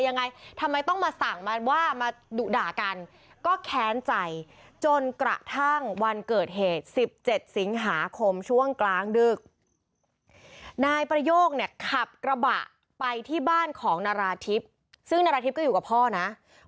นายประโยคเนี่ยขับกระบะไปที่บ้านของนาราธิบซึ่งนาราธิบก็อยู่กับพ่อนะ